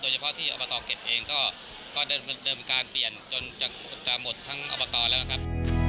เฉพาะที่อบตเก็ตเองก็เดิมการเปลี่ยนจนจะหมดทั้งอบตแล้วนะครับ